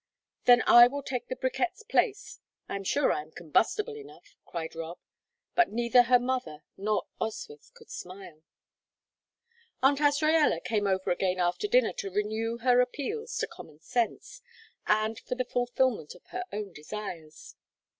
"Then I will take the bricquettes' place I am sure I am combustible enough!" cried Rob, but neither her mother nor Oswyth could smile. Aunt Azraella came over again after dinner to renew her appeals to common sense and for the fulfilment of her own desires.